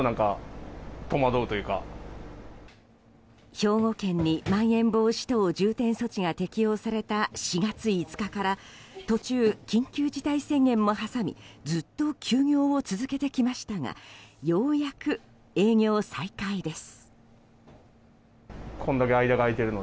兵庫県にまん延防止等重点措置が適用された４月５日から途中、緊急事態宣言も挟みずっと休業を続けてきましたがようやく営業再開です。